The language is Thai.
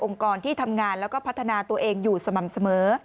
ที่ทำงานแล้วก็พัฒนาตัวเองอยู่สม่ำเสมอ